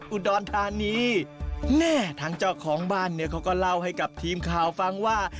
อุดรธานีแม่ทางเจ้าของบ้านเนี่ยเขาก็เล่าให้กับทีมข่าวฟังว่า